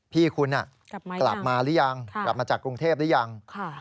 พี่คุณกลับมาหรือยังกลับมาจากกรุงเทพหรือยัง